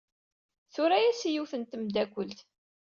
Tura-as i yiwet n tmeddakelt.